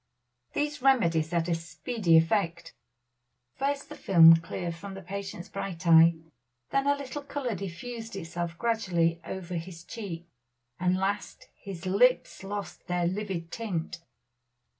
These remedies had a speedy effect. First the film cleared from the patient's bright eye, then a little color diffused itself gradually over his cheek, and last his lips lost their livid tint.